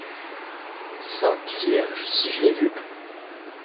Sainte Vierge ! si je l’ai vu ?…